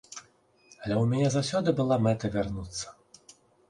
Але ў мяне заўсёды была мэта вярнуцца.